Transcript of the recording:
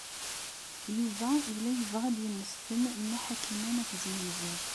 Yuba yella yebɣa ad yemmesten Nna Ḥakima n At Zmenzer.